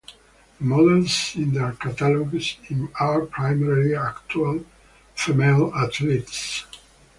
The models in their catalogs are primarily actual female athletes.